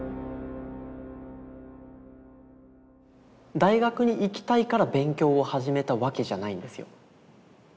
大学に行きたいから勉強を始めたわけじゃないんですよ。